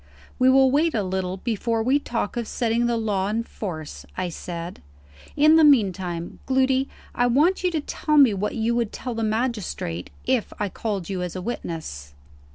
"We will wait a little before we talk of setting the law in force," I said. "In the meantime, Gloody, I want you to tell me what you would tell the magistrate if I called you as a witness."